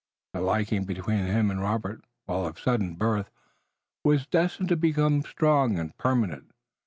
The liking between him and Robert, while of sudden birth, was destined to be strong and permanent.